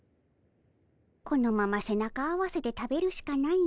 このまま背中合わせで食べるしかないの。